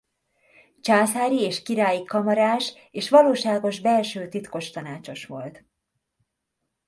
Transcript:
Császári és királyi kamarás és valóságos belső titkos tanácsos volt.